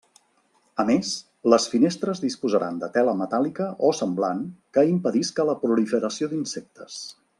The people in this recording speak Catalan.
A més, les finestres disposaran de tela metàl·lica o semblant que impedisca la proliferació d'insectes.